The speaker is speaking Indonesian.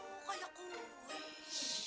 eh enggak kerjain aja deh tuh